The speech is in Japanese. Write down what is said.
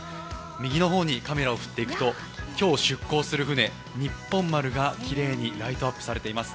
右の方にカメラを降っていくと今日、出港する船、「にっぽん丸」がきれいにライトアップされています。